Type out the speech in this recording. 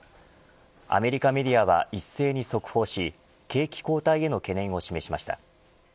アメリカメディアは一斉に速報し景気後退への懸念を示しました。